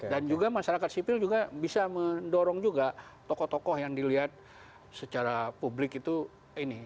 dan juga masyarakat sipil bisa mendorong juga tokoh tokoh yang dilihat secara publik itu ini